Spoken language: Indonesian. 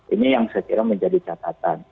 ini yang saya kira menjadi catatan